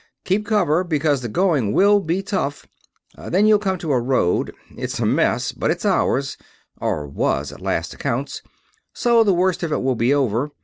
Keep cover, because the going will be tough. Then you'll come to a road. It's a mess, but it's ours or was, at last accounts so the worst of it will be over.